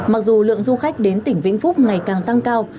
mặc dù lượng du khách đến tỉnh vĩnh phúc ngày càng tăng cao